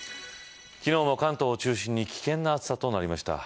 昨日も関東を中心に危険な暑さとなりました。